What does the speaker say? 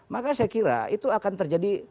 maka saya kira itu akan terjadi